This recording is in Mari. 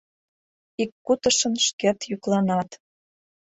Ик кутышын шкет йӱкланат.